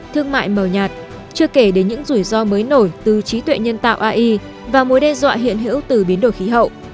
thương mại mờ nhạt chưa kể đến những rủi ro mới nổi từ trí tuệ nhân tạo ai và mối đe dọa hiện hữu từ biến đổi khí hậu